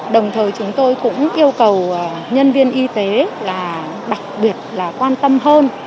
đồng thời chúng tôi cũng yêu cầu nhân viên y tế là đặc biệt là quan tâm hơn